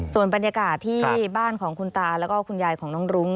ส่วนบรรยากาศที่บ้านของคุณตาแล้วก็คุณยายของน้องรุ้ง